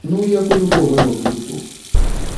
Ну, як у любога рок-гурту.